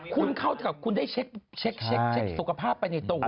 คุณเข้ากับคุณได้เช็คสุขภาพไปในตัว